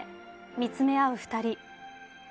見つめ合う２人。